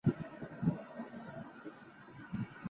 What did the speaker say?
后曾悬挂于西安钟楼。